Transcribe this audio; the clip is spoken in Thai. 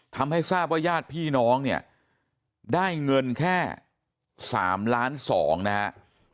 ทำให้ทราบว่าญาติพี่น้องเนี่ยได้เงินแค่๓ล้าน๒นะครับ